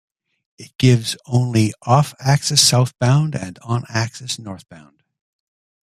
It gives only off-access southbound and on-access northbound.